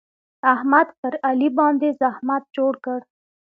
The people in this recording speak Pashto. احمد پر علي باندې زحمت جوړ کړ.